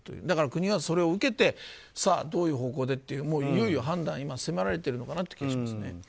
だから国がそれを受けてどういう方向でというのをいよいよ判断を迫られてるのかなという気がします。